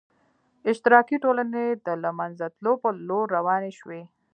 اشتراکي ټولنې د له منځه تلو په لور روانې شوې.